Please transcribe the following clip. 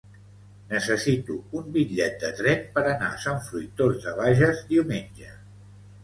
Necessito un bitllet de tren per anar a Sant Fruitós de Bages diumenge.